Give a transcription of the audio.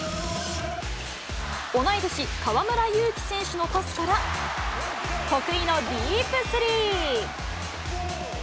同い年、河村勇輝選手のパスから、得意のディープスリー。